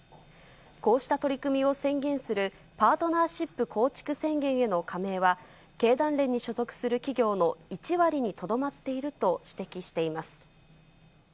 こうした取り組みを宣言するパートナーシップ構築宣言への加盟は、経団連に所属する企業の１割にとどまっていると指摘しています。